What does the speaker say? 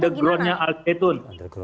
jadi underground nya al zaitun